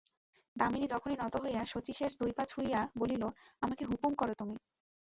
দামিনী তখনই নত হইয়া শচীশের দুই পা ছুঁইয়া বলিল, আমাকে হুকুম করো তুমি।